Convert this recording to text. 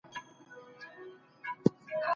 ذمي ته د پوره حقوقو ورکول زموږ د دین اصل دی.